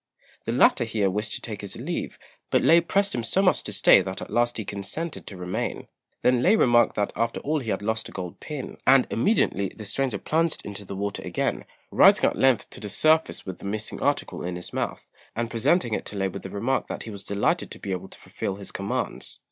The latter here wished to take his leave, but Lê pressed him so much to stay that at last he consented to remain. Then Lê remarked that after all he had lost a gold pin, and immediately the stranger plunged into the water again, rising at length to the surface with the missing article in his mouth, and presenting it to Lê with the remark that he was delighted to be able to fulfil his commands.